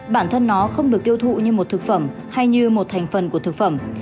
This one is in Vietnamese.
bản thân nó không được tiêu thụ như một thực phẩm hay như một thành phần của thực phẩm